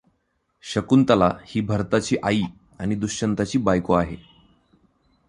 शकुंतला ही भरताची आई आणि दुष्यंताची बायको आहे.